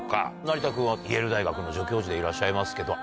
成田君はイェール大学の助教授でいらっしゃいますけど。